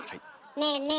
ねえねえ